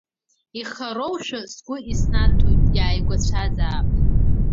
Ихароушәа сгәы иснаҭон, иааигәацәазаап.